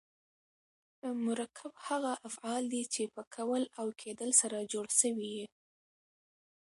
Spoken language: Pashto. مرکب هغه افعال دي، چي په کول او کېدل سره جوړ سوي یي.